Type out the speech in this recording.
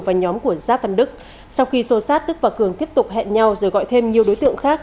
và nhóm của giáp văn đức sau khi sô sát đức và cường tiếp tục hẹn nhau rồi gọi thêm nhiều đối tượng khác